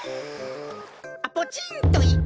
あっポチンといっけんや。